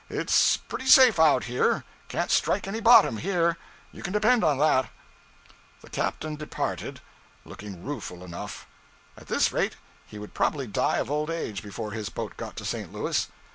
It's pretty safe out here; can't strike any bottom here, you can depend on that.' The captain departed, looking rueful enough. At this rate, he would probably die of old age before his boat got to St. Louis.